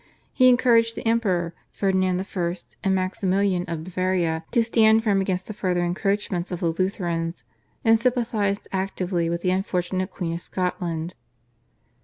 He encouraged the Emperor, Ferdinand I., and Maximilian of Bavaria to stand firm against the further encroachments of the Lutherans, and sympathised actively with the unfortunate Queen of Scotland.